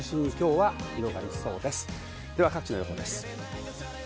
各地の予報です。